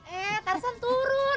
eh tarzan turun